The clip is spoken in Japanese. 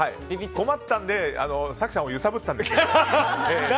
困ったので早紀さんを揺さぶったんですけど。